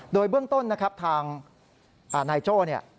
โดยเบื้องต้นนะครับทางนายโจ้เนี่ย